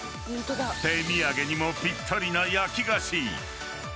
［手土産にもぴったりな焼き菓子］